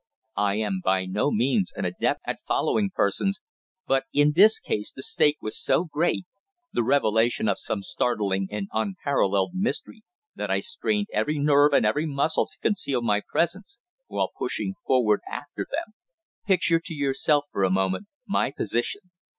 I am by no means an adept at following persons, but in this case the stake was so great the revelation of some startling and unparalleled mystery that I strained every nerve and every muscle to conceal my presence while pushing forward after them. Picture to yourself for a moment my position.